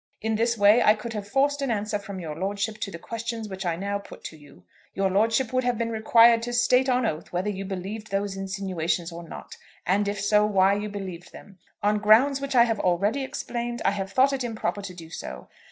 In this way I could have forced an answer from your lordship to the questions which I now put to you. Your lordship would have been required to state on oath whether you believed those insinuations or not; and, if so, why you believed them. On grounds which I have already explained I have thought it improper to do so.